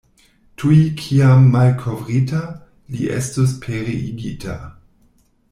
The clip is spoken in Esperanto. Tuj kiam malkovrita, li estus pereigita.